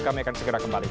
kami akan segera kembali